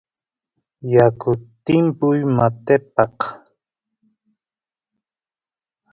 yakut timpuy matepaq